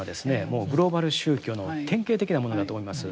もうグローバル宗教の典型的なものだと思います。